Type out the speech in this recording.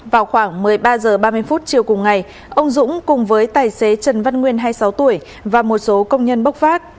vào khoảng một mươi ba h ba mươi chiều cùng ngày ông dũng cùng với tài xế trần văn nguyên hai mươi sáu tuổi và một số công nhân bốc phát